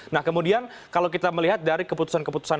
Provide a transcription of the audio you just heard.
nah kemudian kalau kita melihat dari keputusan keputusan